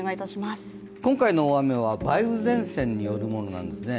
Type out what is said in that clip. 今回の大雨は梅雨前線によるものなんですね。